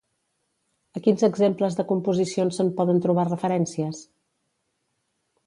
A quins exemples de composicions se'n poden trobar referències?